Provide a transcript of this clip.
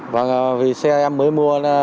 và vì xe em mới mua